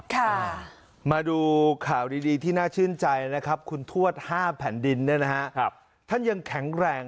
ค่ะมาดูข่าวดีที่น่าชื่นใจนะครับคุณทวดห้าแผ่นดินเนี่ยนะฮะครับท่านยังแข็งแรง